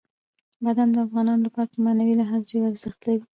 بادام د افغانانو لپاره په معنوي لحاظ ډېر ارزښت لري.